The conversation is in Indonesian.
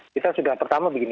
kita sudah pertama begini